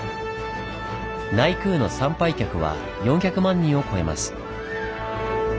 内宮の参拝客は４００万人を超えます。